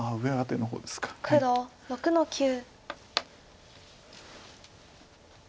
黒６の九。